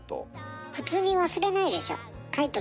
普通に忘れないでしょ。